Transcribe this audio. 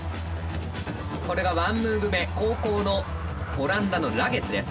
これが１ムーブ目後攻のオランダのラゲッズです。